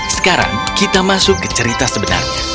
sekarang kita masuk ke cerita sebenarnya